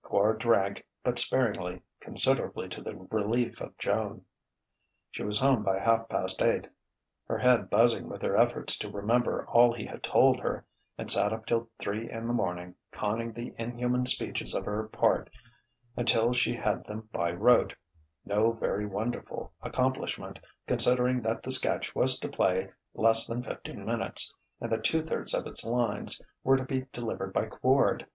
Quard drank but sparingly, considerably to the relief of Joan.... She was home by half past eight, her head buzzing with her efforts to remember all he had told her, and sat up till three in the morning, conning the inhuman speeches of her part until she had them by rote; no very wonderful accomplishment, considering that the sketch was to play less than fifteen minutes, and that two thirds of its lines were to be delivered by Quard.